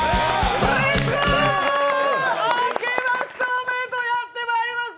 開けましておめでとうやってまいりました。